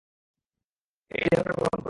এই দেহটা গ্রহণ করো।